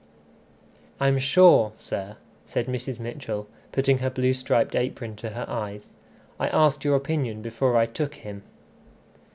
"I'm sure, sir," said Mrs. Mitchell, putting her blue striped apron to her eyes, "I asked your opinion before I took him."